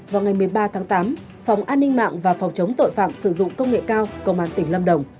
vào ngày một mươi ba tháng tám phòng an ninh mạng và phòng chống tội phạm sử dụng công nghệ cao công an tỉnh lâm đồng